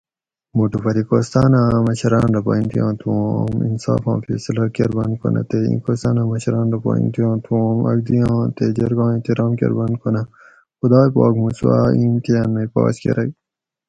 موٹو پھری کوہستاۤن آۤں مشراۤن رہ پا امتحان تھو اُوں اوم انصاف آں فیصلہ کربانت کو نہ تے ایں کوہستان آۤں مشران رہ پا اِمتحان تھو اُوں اوم آگ دی آں تے جرگاۤ آں اِحترام کۤربانت کو نہ ؟ خُدائ پاک مُوں سواۤ اِیں امتحان مئ پاس کرگ